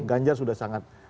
ganjar sudah sangat dominan